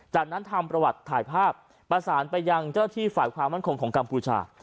จากนั้นทำประวัติถ่ายภาพประสานไปยังเจ้าที่ฝ่ายความมั่นคงของกัมพูชา